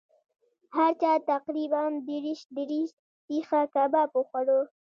هر چا تقریبأ دېرش دېرش سیخه کباب وخوړلو.